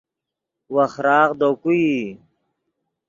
وخراغ دے کو ای